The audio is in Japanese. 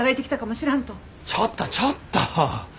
ちょっとちょっと。